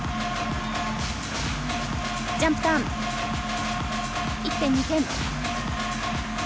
ジャンプターン１．２点。